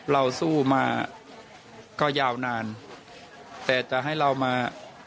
เราสู้มาก็ยาวนานแต่จะให้เรามา